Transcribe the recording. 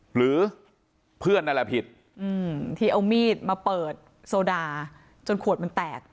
หรือเพื่อนนั่นแหละผิดที่เอามีดมาเปิดโซดาจนขวดมันแตก